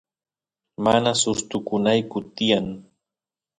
mana sustukunayku tiyan